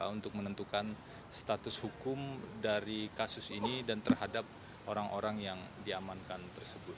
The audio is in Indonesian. untuk menentukan status hukum dari kasus ini dan terhadap orang orang yang diamankan tersebut